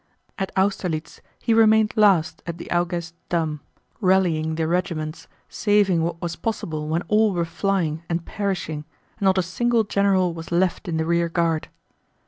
At Austerlitz he remained last at the Augezd dam, rallying the regiments, saving what was possible when all were flying and perishing and not a single general was left in the rear guard.